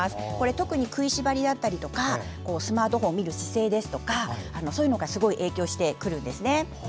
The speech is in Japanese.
特に食いしばりだったりとかスマートフォンを見る姿勢とかがすごい影響してくるんですね。